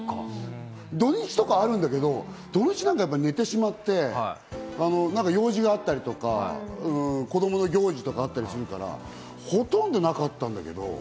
土日とかあるんだけど、土日なんかは寝てしまって、用事があったりとか、子供の行事とかあったりするから、ほとんどなかったんだけど。